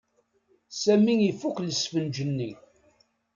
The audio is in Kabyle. Sami ifuk lesfenǧ-nni.